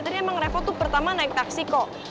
tadi emang repot tuh pertama naik taksi kok